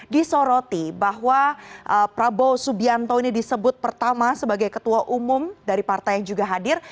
disoroti bahwa prabowo subianto ini disebut pertama sebagai ketua umum dari partai yang juga hadir